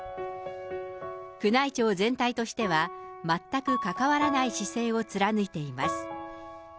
宮内庁全体としては、全く関わらない姿勢を貫いています。